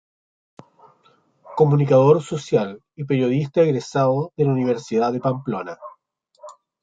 Comunicador social y periodista egresado de la Universidad de Pamplona.